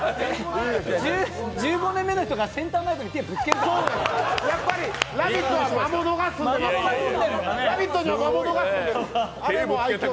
１５年目の人がセンターマイクに手ぶつけるか。